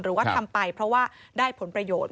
หรือว่าทำไปเพราะว่าได้ผลประโยชน์